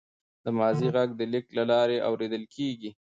د ماضي غږ د لیک له لارې اورېدل کېږي.